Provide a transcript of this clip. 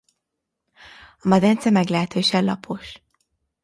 A medence meglehetősen lapos.